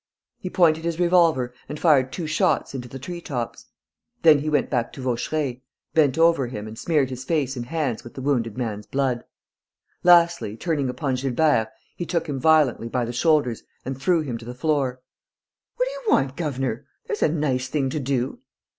He pointed his revolver and fired two shots into the tree tops. Then he went back to Vaucheray, bent over him and smeared his face and hands with the wounded man's blood. Lastly, turning upon Gilbert, he took him violently by the shoulders and threw him to the floor. "What do you want, governor? There's a nice thing to do!"